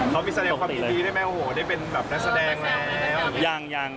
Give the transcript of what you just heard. เขามีแสดงความยินดีได้ไหมโอ้โหได้เป็นแบบนักแสดงแล้วยัง